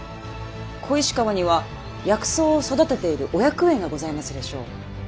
小石川には薬草を育てている御薬園がございますでしょう。